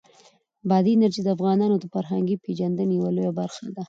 بادي انرژي د افغانانو د فرهنګي پیژندنې یوه لویه برخه ده.